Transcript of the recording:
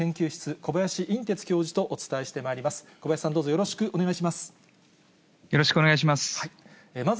小林さん、どうぞよろしよろしくお願いします。